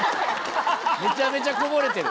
めちゃめちゃこぼれてる。